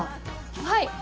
はい。